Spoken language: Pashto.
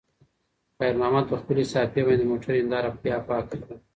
خیر محمد په خپلې صافې باندې د موټر هینداره بیا پاکه کړه.